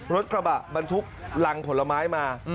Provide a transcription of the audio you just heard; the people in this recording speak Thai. รถบรรทุกรังผลไม้มา